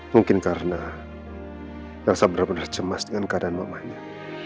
mungkin karena merasa benar benar cemas dengan keadaan mamanya